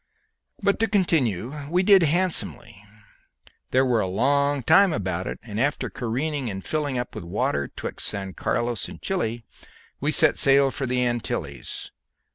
But to continue: we did handsomely, but were a long time about it, and after careening and filling up with water 'twixt San Carlos and Chiloe we set sail for the Antilles.